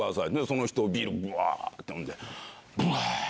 その人ビールブワって飲んで。